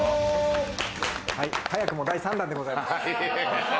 早くも第３弾でございます。